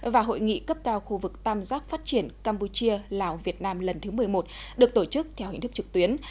và hội nghị cấp cao khu vực tam giác phát triển campuchia lào việt nam lần thứ một mươi một được tổ chức theo hình thức trực tuyến